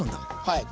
はい。